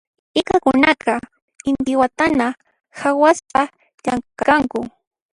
Inkakunaqa intiwatanata khawaspa llamk'arqanku.